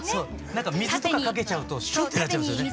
なんか水とかかけちゃうとシュッてなっちゃいますよね。